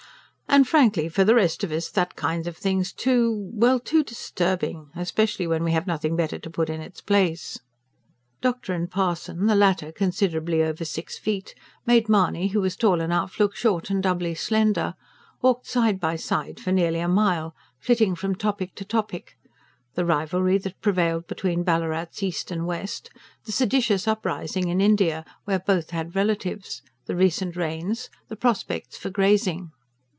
And frankly, for the rest of us, that kind of thing's too well, too disturbing. Especially when we have nothing better to put in its place." Doctor and parson the latter, considerably over six feet, made Mahony, who was tall enough, look short and doubly slender walked side by side for nearly a mile, flitting from topic to topic: the rivalry that prevailed between Ballarats East and West; the seditious uprising in India, where both had relatives; the recent rains, the prospects for grazing.